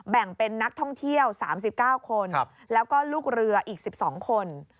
แบ่งเป็นนักท่องเที่ยว๓๙คนแล้วก็ลูกเรืออีก๑๒คน